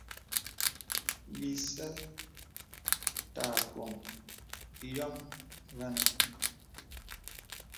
Bìsê tà bòŋ yòm vənə.